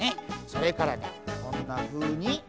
それからねこんなふうに。